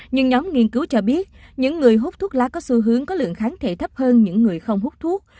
nhưng nhóm nghiên cứu cho biết những người hút thuốc lá có xu hướng có lượng kháng thể thấp hơn những người không hút thuốc